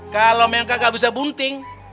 kalau mereka gak bisa bunting